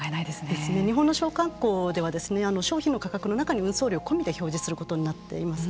日本の商慣行では商品の価格の中に運送料込みで表示することになっています。